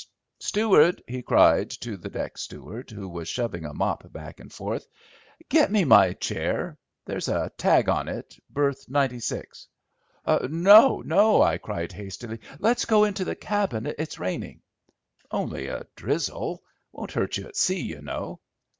Steward," he cried to the deck steward who was shoving a mop back and forth, "get me my chair. There's a tag on it, 'Berth 96.'" "No, no," I cried hastily; "let's go into the cabin. It's raining." "Only a drizzle. Won't hurt you at sea, you know."